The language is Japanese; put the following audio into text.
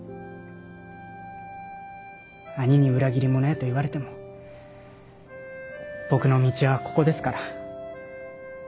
兄に裏切り者やと言われても僕の道はここですから。